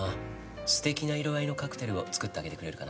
すてきな色合いのカクテルを作ってあげてくれるかな。